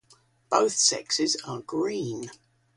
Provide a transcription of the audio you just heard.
Both sexes are green.